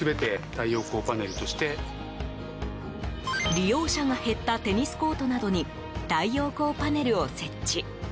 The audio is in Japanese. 利用者が減ったテニスコートなどに太陽光パネルを設置。